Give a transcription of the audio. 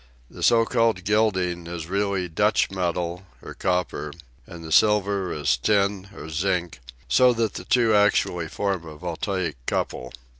The so called gilding is really Dutch metal or copper, and the sil ver is tin or zinc, so that the two actually form a voltaic couple.